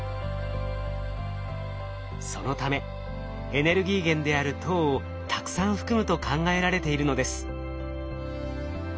そのためエネルギー源である糖をたくさん含むと考えられているのです。